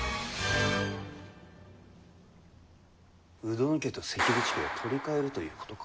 鵜殿家と関口家を取り替えるということか。